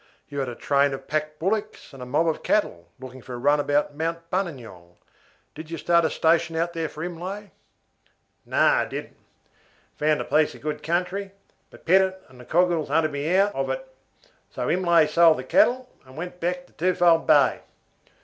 You had a train of pack bullocks and a mob of cattle, looking for a run about Mount Buninyong. Did you start a station there for Imlay?" "No, I didn't. I found a piece of good country, but Pettit and the Coghills hunted me out of it, so Imlay sold the cattle, and went back to Twofold Bay.